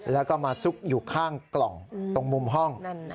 แล้วก็มาซุกอยู่ข้างกล่องตรงมุมห้อง